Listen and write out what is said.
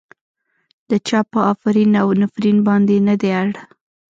د چا په افرین او نفرين باندې نه دی اړ.